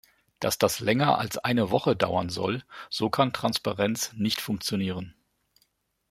Dass das länger als eine Woche dauern soll, so kann Transparenz nicht funktionieren.